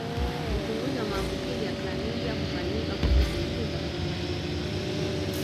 Uchunguzi wa maambukizi ya klamidia hufanyika kwa kuchunguza fupanyonga